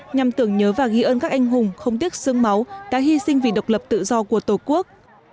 nhằm tưởng nhớ và ghi ơn các anh hùng không tiếc sương máu đã hy sinh vì độc lập tự do của tổ quốc